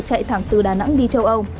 chạy thẳng từ đà nẵng đi châu âu